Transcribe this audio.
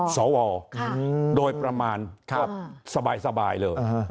สวโดยประมาณก็สบายเลย